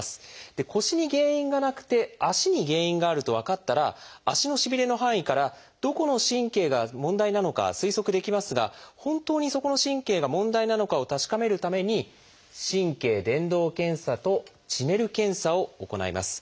で腰に原因がなくて足に原因があると分かったら足のしびれの範囲からどこの神経が問題なのか推測できますが本当にそこの神経が問題なのかを確かめるために「神経伝導検査」と「チネル検査」を行います。